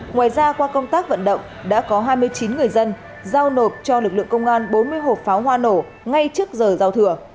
ngoài ra qua công tác vận động đã có hai mươi chín người dân giao nộp cho lực lượng công an bốn mươi hộp pháo hoa nổ ngay trước giờ giao thừa